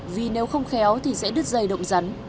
vì nếu không khéo thì sẽ đứt dây động rắn